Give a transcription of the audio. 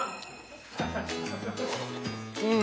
うん！